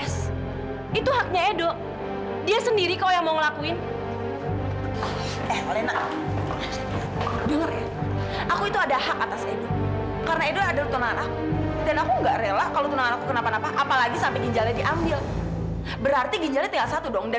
sampai jumpa di video selanjutnya